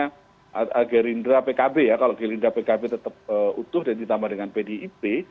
karena gerindra pkb ya kalau gerindra pkb tetap utuh dan ditambah dengan pdip